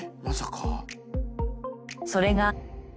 それが。